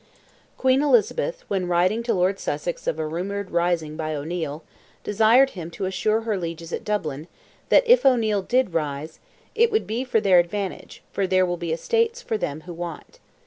Queen Elizabeth, when writing to Lord Sussex of a rumoured rising by O'Neil, desired him to assure her lieges at Dublin, that if O'Neil did rise, "it would be for their advantage; for there will be estates for them who want."